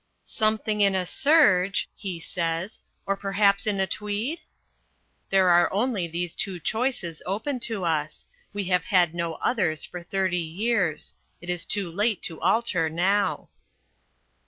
"Something in a serge," he says, "or perhaps in a tweed?" There are only these two choices open to us. We have had no others for thirty years. It is too late to alter now.